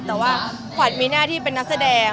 แต่ว่าขวัญมีหน้าที่เป็นนักแสดง